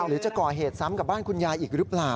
หรือจะก่อเหตุซ้ำกับบ้านคุณยายอีกหรือเปล่า